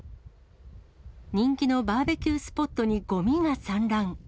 人気のバーベキュースポットにごみが散乱。